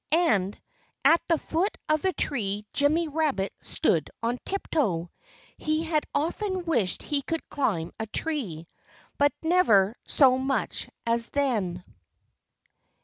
And at the foot of the tree Jimmy Rabbit stood on tiptoe. He had often wished he could climb a tree but never so much as then.